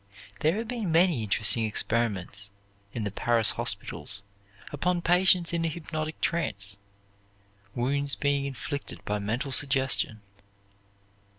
There have been many interesting experiments in the Paris hospitals upon patients in a hypnotic trance, wounds being inflicted by mental suggestion.